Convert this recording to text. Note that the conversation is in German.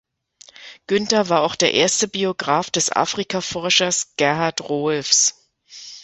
Guenther war auch der erste Biograph des Afrikaforschers Gerhard Rohlfs.